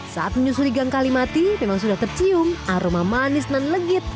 saat menyusuri gang kalimati memang sudah tercium aroma manis dan legit